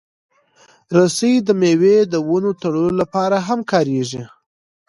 رسۍ د مېوې د ونو تړلو لپاره هم کارېږي.